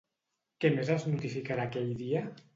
Què més es notificarà aquell dia?